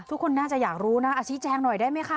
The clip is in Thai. ทุกคนน่าจะอยากรู้นะชี้แจงหน่อยได้ไหมคะ